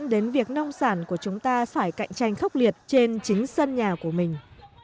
đến việc nông sản của chúng ta phải cạnh tranh khốc liệt trên chính sân nhà của mình